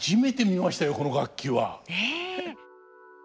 この楽器は。ねえ。